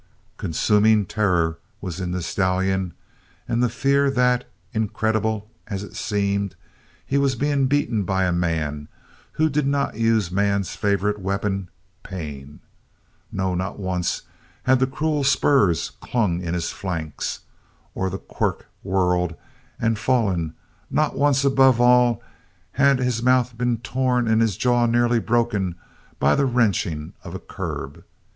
"' Consuming terror was in the stallion and the fear that, incredible as it seemed, he was being beaten by a man who did not use man's favorite weapon pain. No, not once had the cruel spurs clung in his flanks, or the quirt whirred and fallen; not once, above all, had his mouth been torn and his jaw nearly broken by the wrenching of a curb.